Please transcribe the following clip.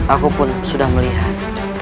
aku pun sudah melihat